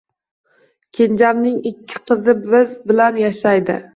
Kenjamning ikki qizi biz bilan yashaydi.